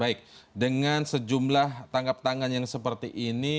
baik dengan sejumlah tangkap tangan yang seperti ini